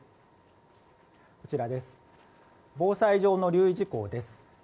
防災上の留意事項です。